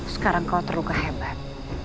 sekarang kau terluka hebat